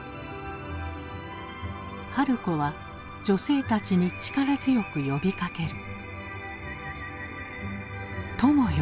春子は女性たちに力強く呼びかける。